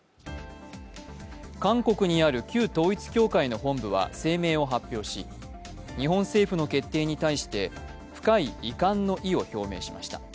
韓国にある旧統一教会の本部は声明を発表し日本政府の決定に対して、深い遺憾の意を表明しました。